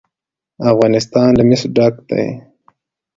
افغانستان له مس ډک دی.